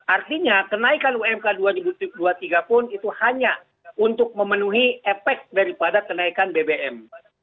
artinya kenaikan umk dua ribu dua puluh tiga pun itu hanya untuk memenuhi efek daripada kenaikan bbm